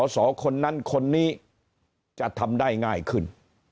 สอคนนั้นคนนี้จะทำได้ง่ายขึ้น